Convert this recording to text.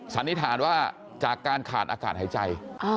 สันนิษฐานว่าจากการขาดอากาศหายใจ